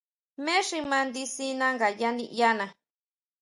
Jmé xi mandisina ngayá niʼyaná.